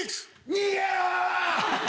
逃げろ！